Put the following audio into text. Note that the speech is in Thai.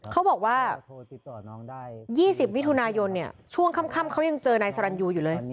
เขาบอกว่า๒๐มิถุนายนเนี่ยช่วงค่ำเขายังเจอนายสรรยูอยู่เลย